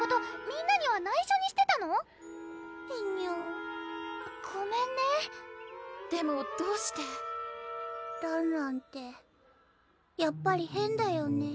みんなにはないしょにしてたの⁉へにょごめんねでもどうしてらんらんってやっぱり変だよね？